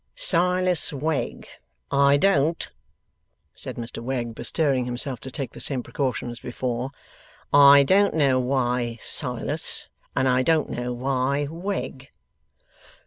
'Silas Wegg. I don't,' said Mr Wegg, bestirring himself to take the same precaution as before, 'I don't know why Silas, and I don't know why Wegg.